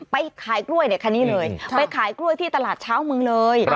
ไปขายกล้วยเนี่ยคันนี้เลยไปขายกล้วยที่ตลาดเช้าเมืองเลย